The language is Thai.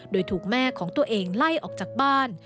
โดยถูกแม่ของตัวเองไล่ออกจากบ้าน